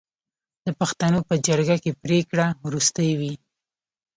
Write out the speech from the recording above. د پښتنو په جرګه کې پریکړه وروستۍ وي.